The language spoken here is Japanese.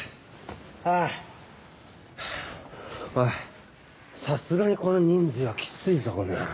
おいさすがにこの人数はきついぞこの野郎。